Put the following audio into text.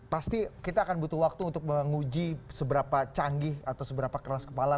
pasti kita akan butuh waktu untuk menguji seberapa canggih atau seberapa keras kepala